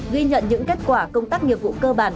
ghi nhận những kết quả công tác nghiệp vụ cơ bản